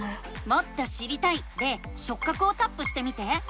「もっと知りたい」で「しょっ角」をタップしてみて。